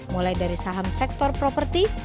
mulai dari saham sektor properti